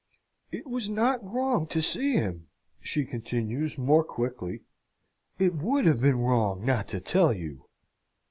"It was not wrong to see him," she continues, more quickly; "it would have been wrong not to tell you."